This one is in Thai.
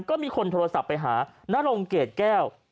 ก็มีคนโทรศัพท์ไปหานรงเกรดแก้ว